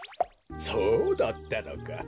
そうだったのか。